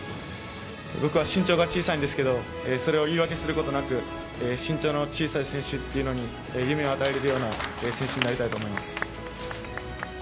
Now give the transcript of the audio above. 僕は身長が小さいんですけど、それを言い訳することなく、身長の小さい選手というのに夢を与えられるような選手になりたいと思います。